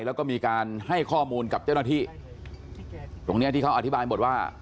แล้วก็มีการให้ข้อมูลกับเจ้าหน้าที่ตรงเนี้ยที่เขาอธิบายหมดว่า